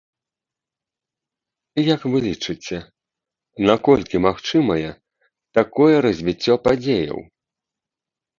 Як вы лічыце, наколькі магчымае такое развіццё падзеяў?